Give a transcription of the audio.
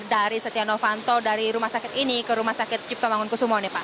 dari setia nevanto dari rumah sakit ini ke rumah sakit ciptomangun kusumo pak